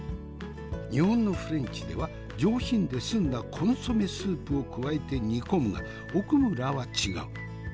日本のフレンチでは上品で澄んだコンソメスープを加えて煮込むが奥村は違う。